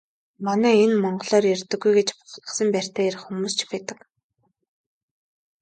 Манай энэ монголоор ярьдаггүй гэж бахархсан байртай ярих хүмүүс ч байдаг.